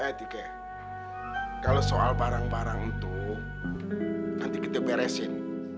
kalau soal barang barang itu nanti kita beresin